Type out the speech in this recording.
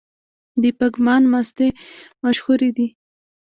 د پګمان مستې مشهورې دي؟